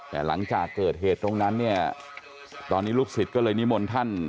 แต่หลังจากเกิดเหตุตรงนั้นเนี่ยตอนนี้ลูกศิษย์ก็เลยนิมนต์ท่าน